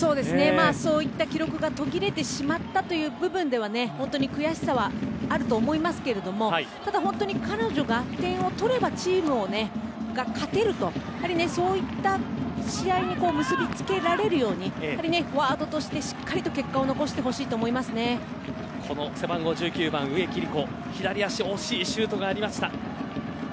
そういった記録が途切れてしまったという部分では本当に悔しさはあると思いますけれども彼女が点を取ればチームが勝てるというそうした試合に結び付けられるようにフォワードとしてしっかり結果を背番号１９番、植木理子、左足惜しいシュートがありました。